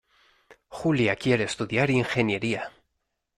Julia quiere estudiar ingeniería.